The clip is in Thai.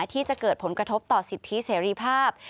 ที่จะเกิดผลกระทบต่อสิทธิเสรีภาพ